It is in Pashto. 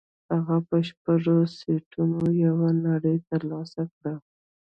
هغه په شپږو سينټو يوه نړۍ تر لاسه کړه.